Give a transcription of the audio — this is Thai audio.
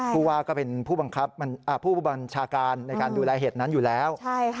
ผู้ว่าก็เป็นผู้บัญชาการในการดูแลเหตุนั้นอยู่แล้ว